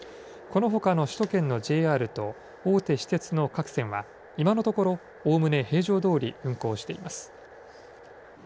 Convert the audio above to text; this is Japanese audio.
このほかの首都圏のＪＲと大手私鉄の各線は今のところおおむね平常どおり運行しています。